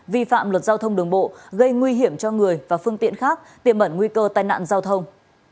vi phạm luật giao thông đường bộ gây nguy hiểm cho người và phương tiện khác tiềm mẩn nguy cơ tai nạn giao thông